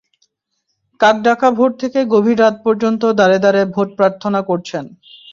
কাকডাকা ভোর থেকে গভীর রাত পর্যন্ত দ্বারে দ্বারে ভোট প্রার্থনা করছেন।